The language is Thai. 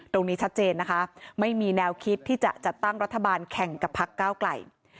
ตรงนี้ชัดเจนนะคะไม่มีแนวคิดที่จะจัดตั้งรัฐบาลแข่งกับพักก้าวไกล